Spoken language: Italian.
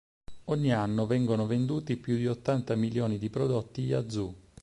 Ogni anno vengono venduti più di ottanta milioni di prodotti Yazoo.